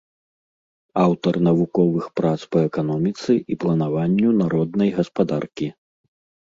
Аўтар навуковых прац па эканоміцы і планаванню народнай гаспадаркі.